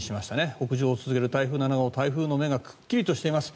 北上を続ける台風７号台風の目がくっきりとしています。